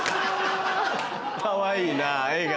かわいいな絵が。